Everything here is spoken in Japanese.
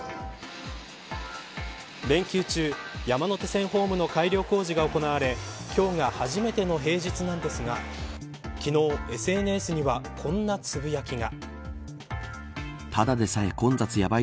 連休中山手線ホームの改良工事が行われ今日が初めての平日なんですが昨日、ＳＮＳにはこんなつぶやきが。